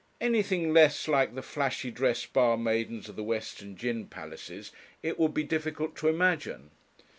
Anything less like the flashy dressed bar maidens of the western gin palaces it would be difficult to imagine.